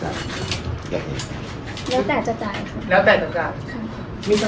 แล้วมีรายเดือนมีอะไร